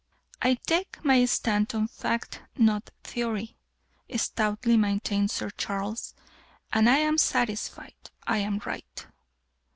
"I take my stand on fact, not theory," stoutly maintained Sir Charles, "and I am satisfied I am right."